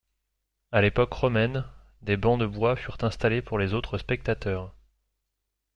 À l'époque romaine, des bancs de bois furent installés pour les autres spectateurs.